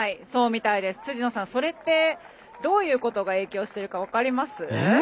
辻野さん、それってどういうことが影響してるか分かります？